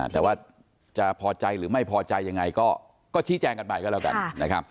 แต่ว่าจะพอใจหรือไม่พอใจยังไงก็ชี้แจงกันใหม่กันแล้วกัน